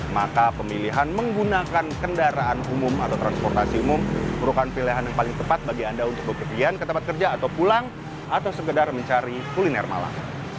maka pemilihan menggunakan kendaraan umum atau transportasi umum merupakan pilihan yang paling tepat bagi anda untuk bepergian ke tempat kerja atau pulang atau sekedar mencari kuliner malam